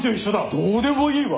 どうでもいいわ！